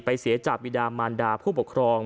เสียจากบิดามานดาผู้ปกครอง